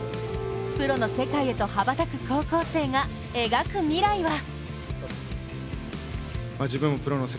プロの世界へと羽ばたく高校生が描く未来は。